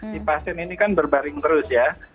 si pasien ini kan berbaring terus ya